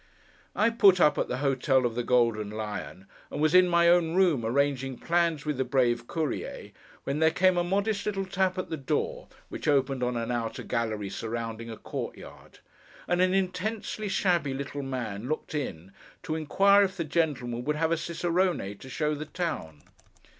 I put up at the Hotel of the Golden Lion, and was in my own room arranging plans with the brave Courier, when there came a modest little tap at the door, which opened on an outer gallery surrounding a court yard; and an intensely shabby little man looked in, to inquire if the gentleman would have a Cicerone to show the town.